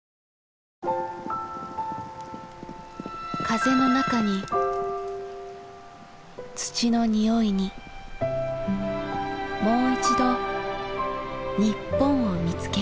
風の中に土の匂いにもういちど日本を見つける。